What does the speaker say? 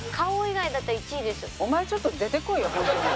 お前ちょっと出てこいよホントに。